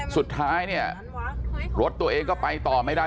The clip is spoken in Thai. สุดท้ายเนี่ยรถตัวเองก็ไปต่อไม่ได้